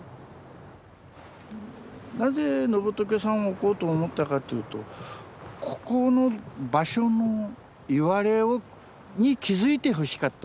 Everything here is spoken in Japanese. なぜ野仏さんを置こうと思ったかっていうとここの場所のいわれに気付いてほしかったっていうのがまずあるわけ。